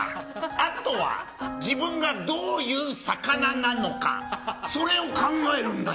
あとは自分がどういう魚なのかそれを考えるんだ。